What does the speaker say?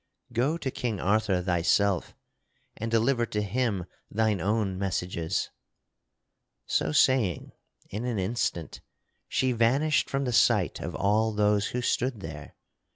Go to King Arthur thyself and deliver to him thine own messages." [Sidenote: The Lady Vivien escapes] So saying, in an instant, she vanished from the sight of all those who stood there.